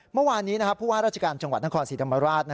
เมื่อวานนี้ผู้ว่าราชการจังหวัดนครศรีธรรมราช